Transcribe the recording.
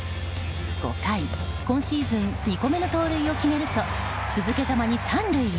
５回今シーズン２個目の盗塁を決めると続けざまに３塁へ。